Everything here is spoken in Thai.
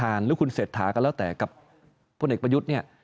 แล้วคุณเสดทราแล้วแตกับพวกนักพยุทธเนี่ย